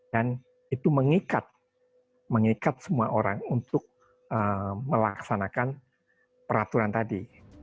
dan itu mengikat semua orang untuk melaksanakan peraturan tadi